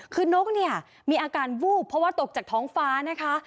คือนกเนี่ยมีอาการวูบเพราะว่าตกจากท้องฟ้านะคะ